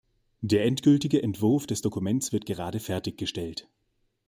Der endgültige Entwurf des Dokuments wird gerade fertiggestellt.